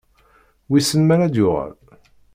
Wissen ma ad d-yuɣal?